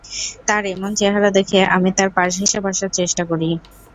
তাঁর এমন চেহারা দেখে আমি তাঁর পাশ ঘেঁষে বসার চেষ্টা করি।